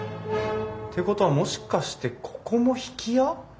ってことはもしかしてここも曳家？